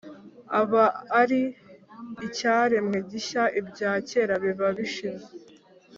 aba ari icyaremwe gishya: ibya kera biba bishize,